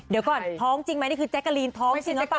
เดี๋ยวก่อนท้องจริงไหมนี่คือแจ๊กกะลีนท้องจริงหรือเปล่า